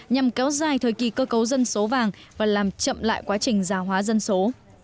nhằm kéo dài thời kỳ cơ cấu dân số vàng và làm chậm lại quá trình già hóa dân số